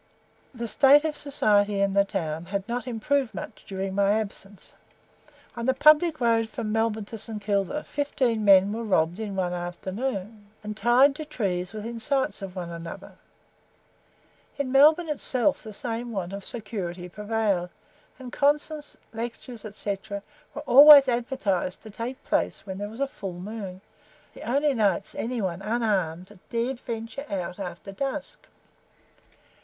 The state of society in the town had not much improved during my absence. On the public road from Melbourne to St. Kilda, fifteen men were robbed in one afternoon, and tied to trees within sight of one another. In Melbourne itself the same want of security prevailed, and concerts, lectures, &c., were always advertised to take place when there was a full moon, the only nights any one, unarmed, dared venture, out after dusk.